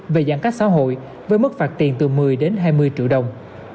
về giãn cách xã hội với mức phạt tiền từ một mươi đến hai mươi triệu đồng